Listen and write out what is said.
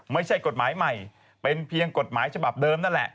ไม่ใช่กฎหมายใหม่เป็นเพียงกฎหมายฉบับเดิมนั่นแหละ